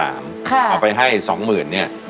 เอาไปให้๒หมื่นเนี่ย